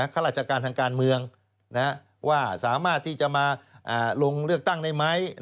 ข้าราชการทางการเมืองว่าสามารถที่จะมาลงเลือกตั้งได้ไหม